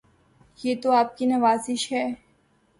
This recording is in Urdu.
یہ تو آپ کی نوازش ہے